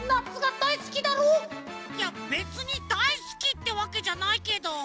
いやべつにだいすきってわけじゃないけど。